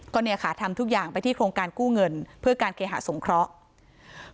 ก็เนี่ยค่ะทำทุกอย่างไปที่โครงการกู้เงินเพื่อการเคหาสงเคราะห์